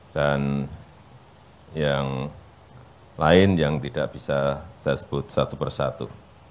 dan yang lain yang tidak bisa saya sebut satu persatu